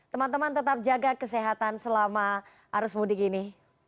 teman teman tetap jaga kesehatan selama arus mudik ini